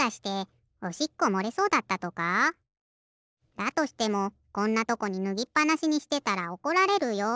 だとしてもこんなとこにぬぎっぱなしにしてたらおこられるよ。